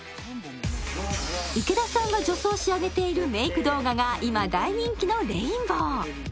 池田さんが女装しあげているメーク動画が今、大人気のレインボー。